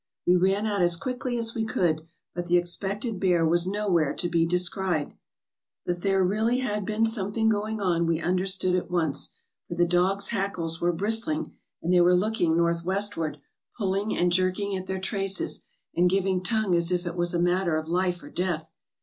We ran out as quickly as we could, but the expected bear was nowhere to be descried. 508 TRAVELERS AND EXPLORERS But that there really had been something going on we understood at once, for the dogs' hackles were bristling and they were looking northwestward, pulling and jerking at their traces, and giving tongue as if it was a matter of life or death.